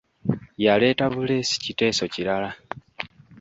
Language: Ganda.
Yaleeta buleesi kiteeso kirala.